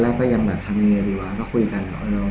วันนั้นหรอ